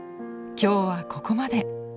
今日はここまで。